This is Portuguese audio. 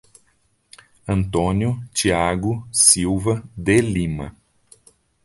Antônio Tiago Silva de Lima